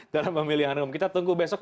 dalam pemilihan umum kita tunggu besok